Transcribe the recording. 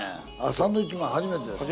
サンドウィッチマン初めてですね。